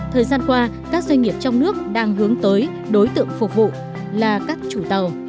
thời gian qua các doanh nghiệp trong nước đang hướng tới đối tượng phục vụ là các chủ tàu